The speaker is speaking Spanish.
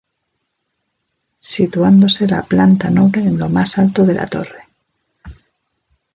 Situándose la planta noble en lo más alto de la torre.